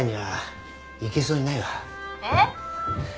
えっ？